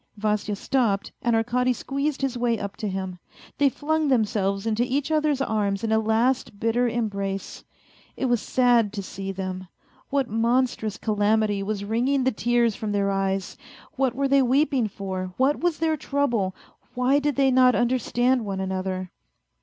Vasya stopped, and Arkady squeezed his way up to him. They flung themselves into each other's arms in a last bitter embrace. It was sad to see them. What monstrous calamity was wringing the tears from their eyes ! What were they weeping for ? What was their trouble ? Why did they not understand one another